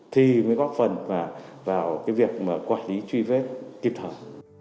thì mới góp phần vào cái việc mà quản lý truy vết kịp thời